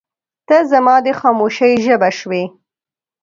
• ته زما د خاموشۍ ژبه شوې.